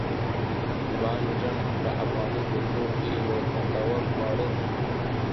بانجڼ په افغاني کلتور کښي یو خوندور خواړه دي.